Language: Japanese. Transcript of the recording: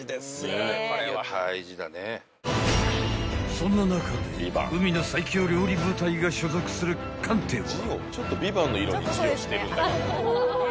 ［そんな中で海の最強料理部隊が所属する艦艇は］